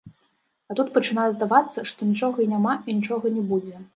А тут пачынае здавацца, што нічога і няма, і нічога не будзе.